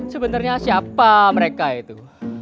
sebenarnya siapa mereka itu